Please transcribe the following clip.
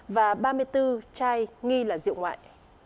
và ba mươi bốn chai nghi là rượu ngoại